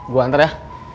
gue antar ya